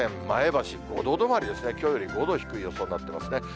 前橋５度止まりですね、きょうより５度低い予想になってますね。